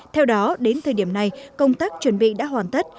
theo đó đến thời điểm này công tác chuẩn bị đã hoàn tất